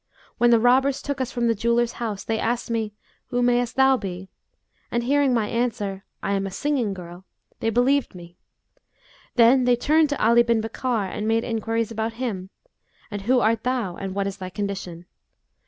When the robbers took us from the jeweller's house they asked me, Who mayest thou be? and hearing my answer, 'I am a singing girl, they believed me. Then they turned to Ali bin Bakkar and made enquiries about him, 'And who art thou and what is thy condition?